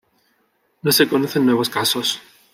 No se conocen nuevos casos.